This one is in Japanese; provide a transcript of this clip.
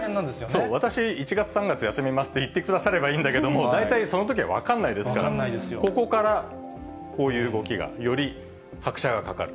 そう、私、１月、３月休みますって言ってくださればいいんですけれども、大体そのときは分かんないですから、ここからこういう動きが、より拍車がかかる。